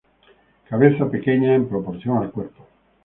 Cabeza pequeña en proporción al cuerpo.